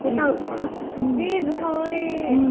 ビーズかわいい！